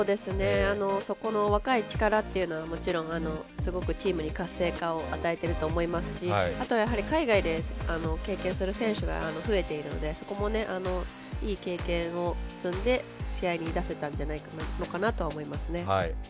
そこの若い力っていうのはもちろんチームに活性化を与えると思いますしやはり、海外で経験する選手が増えているのでそこもいい経験を積んで試合に出せたんじゃないのかなと思いますね。